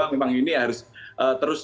memang ini harus terus